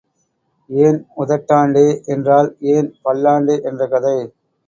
ஏன் உதட்டாண்டே என்றால் ஏன் பல்லாண்டே என்ற கதை.